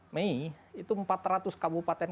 mei itu empat ratus kabupaten